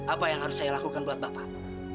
apa yang harus saya lakukan buat bapak